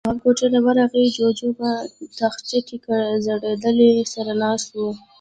تواب کوټې ته ورغی، جُوجُو په تاخچه کې ځړېدلی سر ناست و.